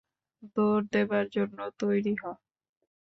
দৌড় দেবার জন্য তৈরি হ!